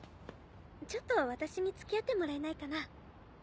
ちょっと私に付き合ってもらえないかな？